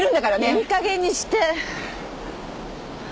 いいかげんにして！